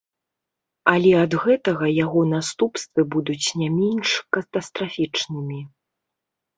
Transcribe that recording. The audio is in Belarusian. Але ад гэтага яго наступствы будуць не менш катастрафічнымі.